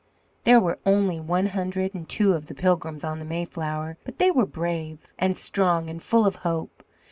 There were only one hundred and two of the Pilgrims on the Mayflower, but they were brave and strong and full of hope.